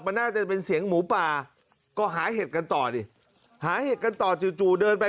มันน่าจะเป็นเสียงหมูป่าก็หาเห็ดกันต่อดิหาเห็ดกันต่อจู่จู่เดินไป